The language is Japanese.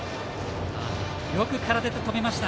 よく体で止めました。